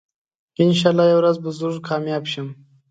انشاالله یوه ورځ به ضرور کامیاب شم